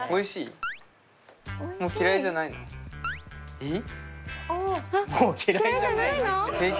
えっ。